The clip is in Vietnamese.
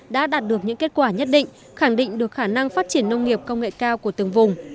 đã đạt được những kết quả nhất định khẳng định được khả năng phát triển nông nghiệp công nghệ cao của từng vùng